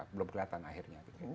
belum kelihatan akhirnya